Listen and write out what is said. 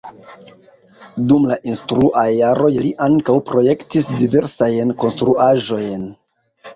Dum la instruaj jaroj li ankaŭ projektis diversajn konstruaĵojn.